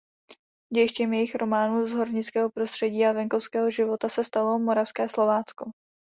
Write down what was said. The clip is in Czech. Dějištěm jejích románů z hornického prostředí a venkovského života se stalo Moravské Slovácko.